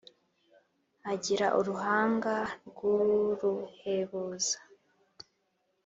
Agira uruhanga rw'uruhebuza,